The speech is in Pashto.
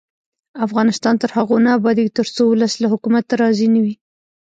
افغانستان تر هغو نه ابادیږي، ترڅو ولس له حکومته راضي نه وي.